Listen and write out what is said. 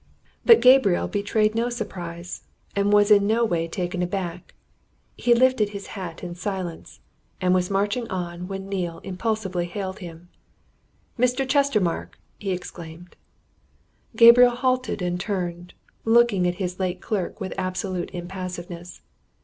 But Gabriel betrayed no surprise, and was in no way taken aback. He lifted his hat in silence, and was marching on when Neale impulsively hailed him. "Mr. Chestermarke!" he exclaimed. Gabriel halted and turned, looking at his late clerk with absolute impassiveness.